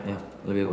ya lebih pucat